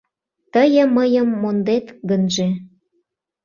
Тые мыйым мондет гынже